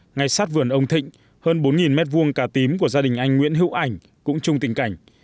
ngay sát vườn ông thịnh hơn bốn m hai cá tím của gia đình anh nguyễn hữu ảnh cũng chung tình cảnh